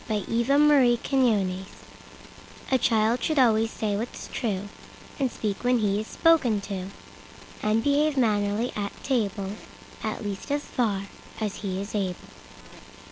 Whole Duty of Children A CHILD should always say what's trueAnd speak when he is spoken to, And behave mannerly at table; At least as far as he is able.